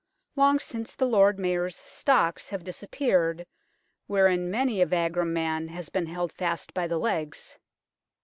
Long since the Lord Mayor's stocks have disappeared, wherein many a vagrom man has been held fast by the legs.